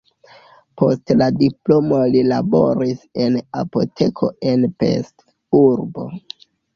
Post la diplomo li laboris en apoteko en Pest (urbo).